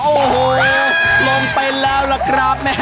โอ้โหลงไปแล้วล่ะครับ